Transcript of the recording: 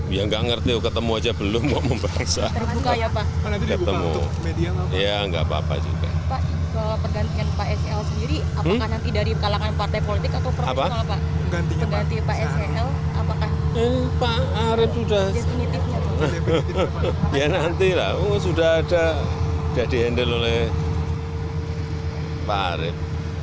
ya nanti lah sudah ada sudah di handle oleh pak arief